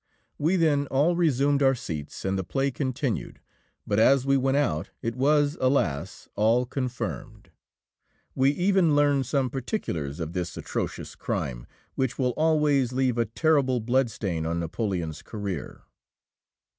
We then all resumed our seats, and the play continued, but as we went out it was, alas! all confirmed. We even learned some particulars of this atrocious crime, which will always leave a terrible blood stain on Napoleon's career.